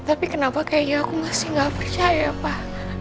tapi kenapa kayaknya aku masih gak percaya pak